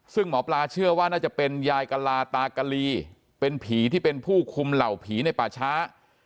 ซึ่งหมอปลาเชื่อว่าน่าจะเป็นยายกะลาตากะลีเป็นผีที่เป็นผู้คุมเหล่าผีในป่าช้า